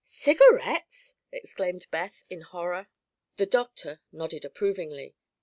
"Cigarettes!" exclaimed Beth, in horror. The doctor nodded approvingly.